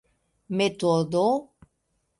metodo